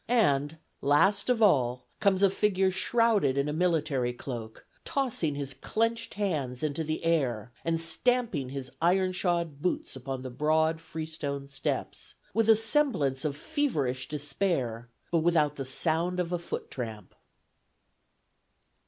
And, last of all, comes a figure shrouded in a military cloak, tossing his clenched hands into the air, and stamping his ironshod boots upon the broad freestone steps, with a semblance of feverish despair, but without the sound of a foot tramp."